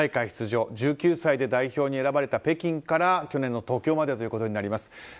出場１９歳で代表に選ばれた北京から去年の東京までということになります。